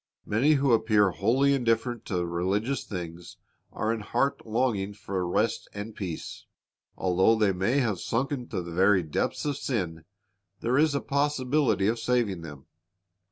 Many who appear w^holly indifferent to religious things are in heart longing for rest and peace. Although they may have sunken to the very depths of sin, there is a possibility of saving them.